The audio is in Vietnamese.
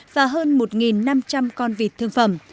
và hơn một năm trăm linh con vịt thương phẩm